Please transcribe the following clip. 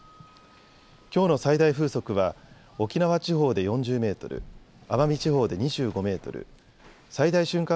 きょうの最大風速は沖縄地方で４０メートル、奄美地方で２５メートル、最大瞬間